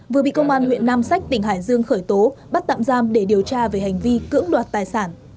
vừa bị công an huyện nam sách tỉnh hải dương khởi tố bắt tạm giam để điều tra về hành vi cưỡng đoạt tài sản